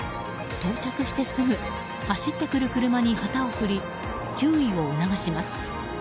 到着してすぐ、走ってくる車に旗を振り注意を促します。